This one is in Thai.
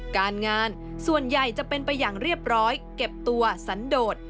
การงานส่วนใหญ่จะเป็นไปอย่างเรียบร้อยเก็บตัวสันโดด